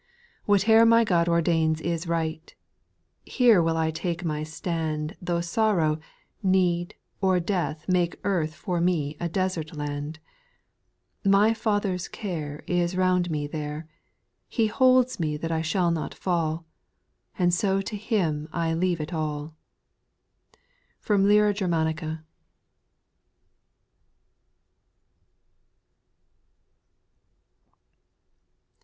Whatever my God ordains is right 1 Here will I take my stand, Though sorrow, need, or death make earth For me a desert land. My Father's care Is round me there ; He holds me that I shall not fall. And so to Him I leave it alL FROM LYRA GERMANICA.